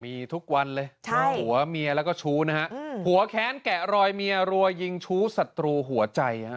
มีทุกวันเลยหัวแขนแกะรอยเมียรัวยิงชู้ศัตรูหัวใจ